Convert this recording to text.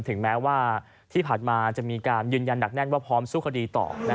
ถึงแม้ว่าที่ผ่านมาจะมีการยืนยันหนักแน่นว่าพร้อมสู้คดีต่อ